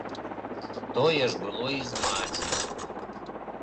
Тое ж было і з маці.